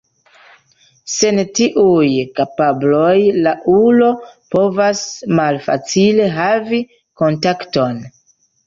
Sen tiuj kapabloj la ulo povas malfacile havi kontakton.